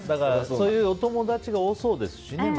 そういうお友達が多そうですしね。